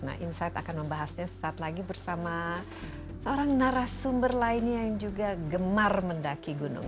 nah insight akan membahasnya saat lagi bersama seorang narasumber lainnya yang juga gemar mendaki gunung